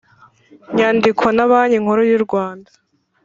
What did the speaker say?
nyandiko na Banki Nkuru y u Rwanda